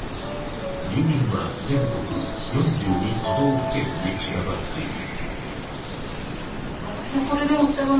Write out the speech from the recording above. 住民は全国４２都道府県に散らばっている。